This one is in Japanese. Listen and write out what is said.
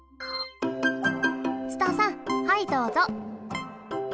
ツタさんはいどうぞ。